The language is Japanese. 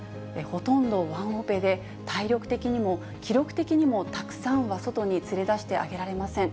ほとんどワンオペで、体力的にも気力的にも、たくさんは外に連れ出してあげられません。